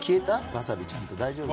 わさびちゃんと大丈夫？